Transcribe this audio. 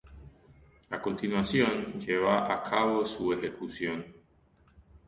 A continuación, lleva a cabo su ejecución.